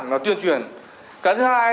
cơ bản và tuyên truyền cái thứ hai